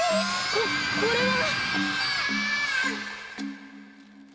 ここれは！？